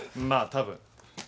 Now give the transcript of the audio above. まあたぶん。